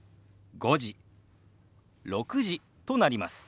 「５時」「６時」となります。